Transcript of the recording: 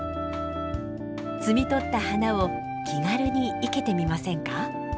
摘み取った花を気軽に生けてみませんか？